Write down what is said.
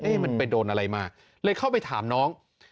มันไปโดนอะไรมาเลยเข้าไปถามน้อง